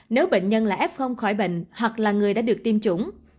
nếu bệnh nhân là f khỏi bệnh hoặc là người đã được tiêm chủng